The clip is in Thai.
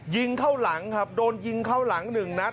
ยิงเข้าหลังครับโดนยิงเข้าหลังหนึ่งนัด